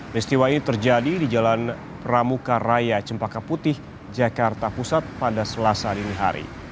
peristiwa ini terjadi di jalan pramuka raya cempaka putih jakarta pusat pada selasa dini hari